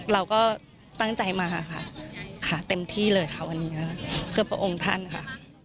เราก็ตั้งใจมาค่ะค่ะเต็มที่เลยค่ะวันนี้เพื่อพระองค์ท่านค่ะ